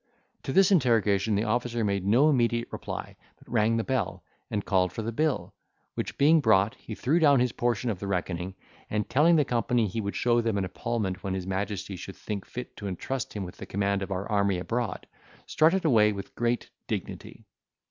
To this interrogation the officer made no immediate reply, but rang the bell, and called for the bill, which being brought, he threw down his proportion of the reckoning, and, telling the company he would show them an epaulement when his majesty should think fit to entrust him with the command of our army abroad, strutted away with great dignity.